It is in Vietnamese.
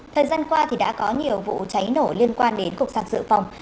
thời gian qua thì đã có nhiều vụ cháy nổ liên quan đến cục sàng sự phòng